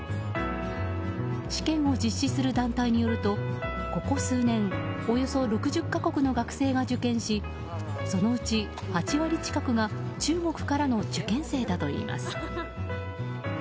試験を実施する団体によるとここ数年およそ６０か国の学生が受験しそのうち８割近くが中国からの受験生だといいます。